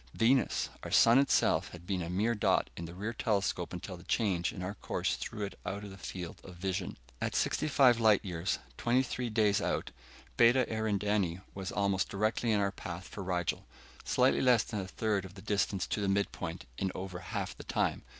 Venus! Our sun itself had been a mere dot in the rear telescope until the change in our course threw it out of the field of vision. At sixty five light years, twenty three days out, Beta Eridani was almost directly in our path for Rigel. Slightly less than a third of the distance to the midpoint, in over half the time.